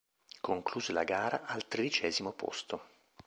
Concluse la gara al tredicesimo posto.